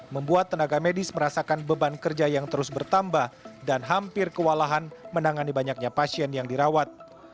membuat tenaga medis merasakan beban kerja yang terus bertambah dan hampir kewalahan menangani banyaknya pasien yang dirawat